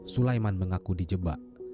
sulaiman mengaku dijebak